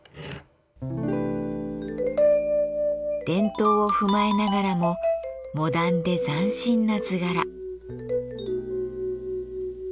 伝統を踏まえながらもモダンで斬新な図柄。